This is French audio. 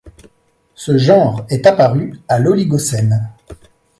Ce genre est apparu à l'Oligocène.